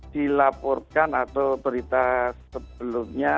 dilaporkan atau berita sebelumnya